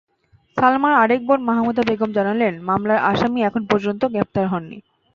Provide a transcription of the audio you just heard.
সালমার আরেক বোন মাহমুদা বেগম জানালেন, মামলার আসামি এখন পর্যন্ত গ্রেপ্তার হননি।